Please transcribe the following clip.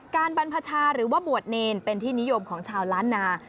บรรพชาหรือว่าบวชเนรเป็นที่นิยมของชาวล้านนา